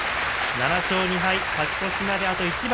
７勝２敗、勝ち越しまであと一番。